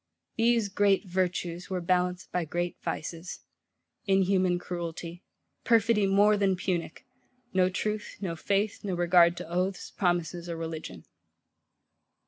These great Virtues were balanced by great Vices; inhuman cruelty; perfidy more than punic; no truth, no faith, no regard to oaths, promises, or religion.